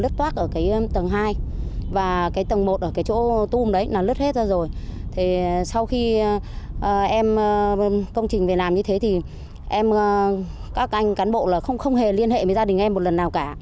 công trình về làm như thế thì các anh cán bộ không hề liên hệ với gia đình em một lần nào cả